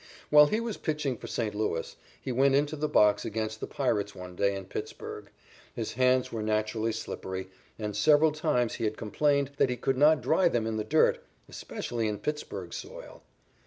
While he was pitching for St. Louis, he went into the box against the Pirates one day in Pittsburg. His hands were naturally slippery, and several times he had complained that he could not dry them in the dirt, especially in Pittsburg soil.